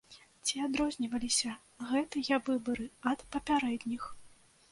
Ці адрозніваліся гэтыя выбары ад папярэдніх?